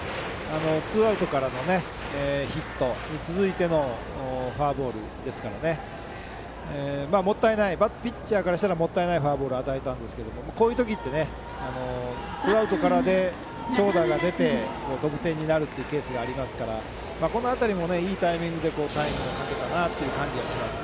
ツーアウトからのヒットに続いてのフォアボールですからピッチャーからしたらもったいないフォアボールを与えたんですがこういう時はツーアウトからで長打が出て得点になるケースがありますからこの辺りもいいタイミングでタイムをかけたという感じがします。